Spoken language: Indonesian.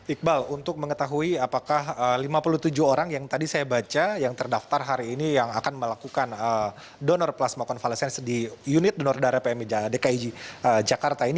iqbal untuk mengetahui apakah lima puluh tujuh orang yang tadi saya baca yang terdaftar hari ini yang akan melakukan donor plasma konvalesence di unit donor darah pmi dki jakarta ini